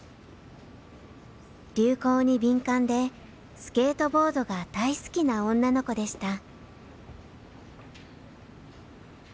流行に敏感でスケートボードが大好きな女の子でした。